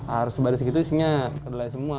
harus sebaris itu isinya kedelai semua